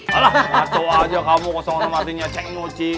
aduh aja kamu kosong kosong artinya ceng muci